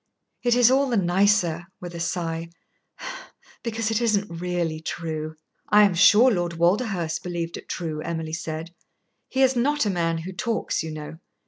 It is all the nicer" with a sigh "because it isn't really true." "I am sure Lord Walderhurst believed it true," Emily said. "He is not a man who talks, you know.